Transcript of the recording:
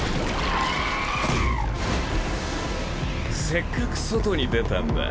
せっかく外に出たんだ。